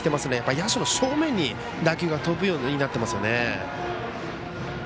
野手の正面に打球が飛ぶようになってますね。